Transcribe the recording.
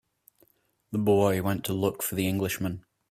The boy went to look for the Englishman.